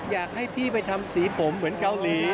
อยากให้พี่ไปทำสีผมเหมือนเกาหลี